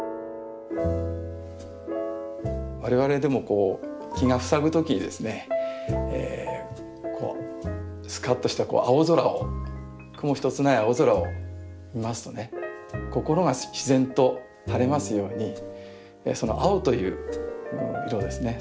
我々でも気がふさぐ時にですねスカッとした青空を雲一つない青空を見ますとね心が自然と晴れますようにその青という色ですね